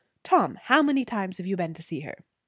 Tom, how many times have you been to see her?"